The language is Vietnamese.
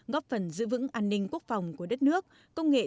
góp phần giữ vững an ninh quốc phòng của đất nước